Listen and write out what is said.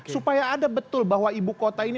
supaya ada betul bahwa ibu kota ini